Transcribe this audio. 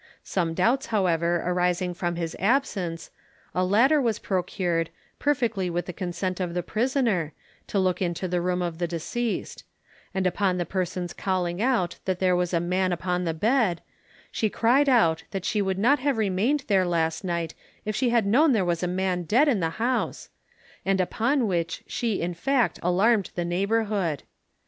Some doubts, however, arising from his absence, a ladder was procured, perfectly with the consent of the prisoner, to look into the room of the deceased; and upon the person's calling out that there was a man upon the bed, she cried out, that she would not have remained there last night if she had known there was a man dead in the house; and upon which she, in fact, alarmed the neighbourhood.